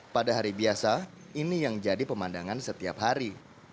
pada hari biasa ini yang jadi pemandangan setiap hari